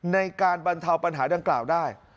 ในการบรรเทาปัญหาดังกล่าวได้